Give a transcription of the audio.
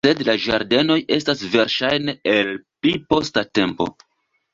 Sed la ĝardenoj estas verŝajne el pli posta tempo.